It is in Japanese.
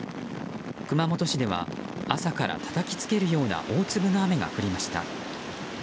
熊本市では朝から、たたきつけるような大粒の雨が降りました。